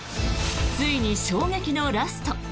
ついに衝撃のラスト！